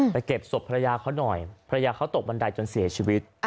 เก็บศพภรรยาเขาหน่อยภรรยาเขาตกบันไดจนเสียชีวิต